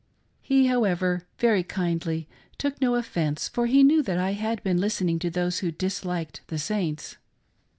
He, however, very kindly took no offence for he knew that I had been listening to those who disliked the Saints.